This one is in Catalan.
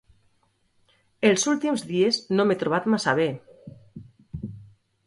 Els últims dies no m'he trobat massa bé.